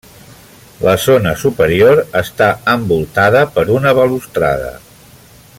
La zona superior està envoltada per una balustrada.